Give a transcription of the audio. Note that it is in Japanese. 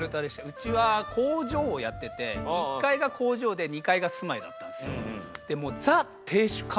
うちは工場をやってて１階が工場で２階が住まいだったんですよ。